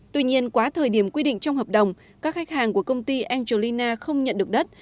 tuy nhiên quá thời điểm quy định trong hợp đồng các khách hàng của công ty angelina không nhận được đất